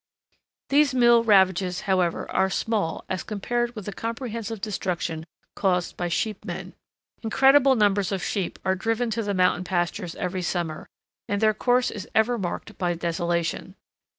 These mill ravages, however, are small as compared with the comprehensive destruction caused by "sheepmen." Incredible numbers of sheep are driven to the mountain pastures every summer, and their course is ever marked by desolation.